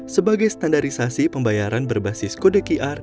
sebagai standarisasi pembayaran berbasis kode qr